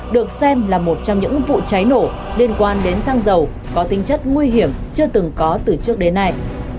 được xem là một trong những vụ cháy nổ liên quan đến xăng dầu có tinh chất nguy hiểm chưa từng có từ trước đến nay